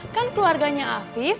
kan keluarganya afif